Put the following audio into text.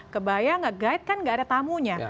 kebayang gak guide kan gak ada tamunya